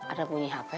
ada bunyi hp